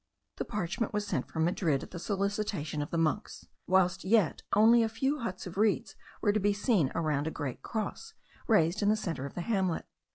The parchment was sent from Madrid at the solicitation of the monks, whilst yet only a few huts of reeds were to be seen around a great cross raised in the centre of the hamlet.